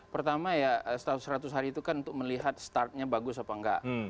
pertama ya seratus hari itu kan untuk melihat startnya bagus apa enggak